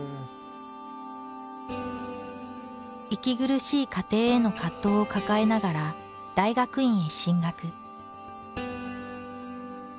息苦しい家庭への葛藤を抱えながら大学院へ進学。